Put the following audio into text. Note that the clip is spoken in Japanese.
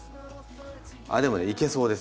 でもねいけそうです。